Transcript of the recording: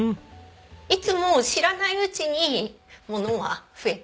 いつも知らないうちに物が増えているんです。